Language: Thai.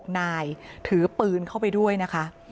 นายถือปืนเข้าไปด้วยนะคะ